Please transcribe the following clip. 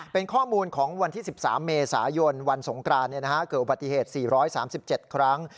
เป็นข้อมูลของวันที่๑๓เมษายนวันสงกรานเกิดอุบัติเหตุ๔๓๗ครั้ง